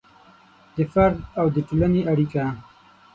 د فرد او د ټولنې اړیکه